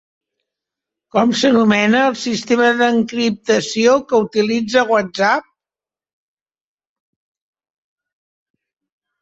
Com s'anomena el sistema d'encriptació que utilitza WhatsApp?